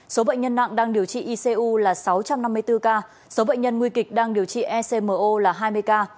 số bệnh nhân nặng đang điều trị icu là sáu trăm năm mươi bốn ca số bệnh nhân nguy kịch đang điều trị ecmo là hai mươi ca